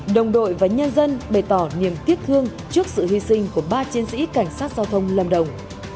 đồng đội và nhân dân bày tỏ niềm tiếc thương trước sự hy sinh của ba chiến sĩ cảnh sát giao thông lâm đồng